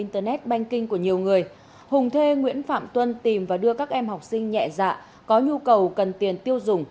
trong thời gian trần văn hùng và nguyễn phạm tuân tìm và đưa các em học sinh nhẹ dạ có nhu cầu cần tiền tiêu dùng